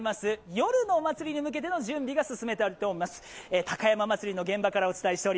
夜のお祭りに向けての準備が進められています。